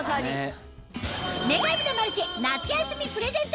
『女神のマルシェ』夏休みプレゼント